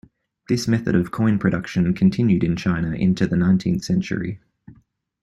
This method of coin production continued in China into the nineteenth century.